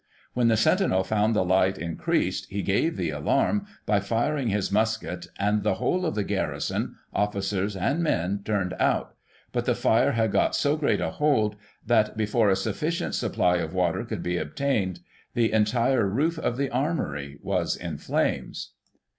When the sentinel found the light increased, he gave the alarm by firing his musket, and the whole of the garrison, officers and men, turned out ; but the fire had got so great a hold that, before a sufficient supply of water could be obtained, the entire roof of the Armoury was in flames.